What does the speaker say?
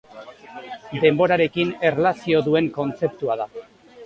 Denborarekin erlazio duen kontzeptua da.